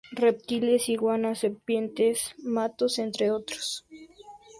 Reptiles, iguanas, serpientes, matos entre otros.